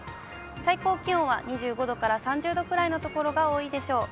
最高気温は２５度から３０度くらいの所が多いでしょう。